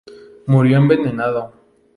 Murió envenenado.